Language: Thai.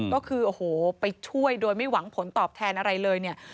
ก็คือโอ้โหไปช่วยโดยไม่หวังผลตอบแทนอะไรเลยเนี่ย